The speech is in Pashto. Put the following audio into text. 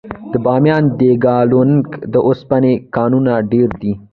د بامیان د یکاولنګ د اوسپنې کانونه ډیر دي.